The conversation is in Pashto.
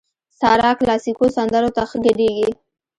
سارا کلاسيکو سندرو ته ښه ګډېږي.